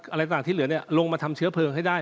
อะไรต่างที่เหลือลงมาทำเชื้อเพลิงให้ได้